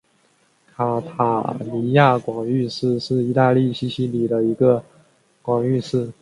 卡塔尼亚广域市是意大利西西里的一个广域市。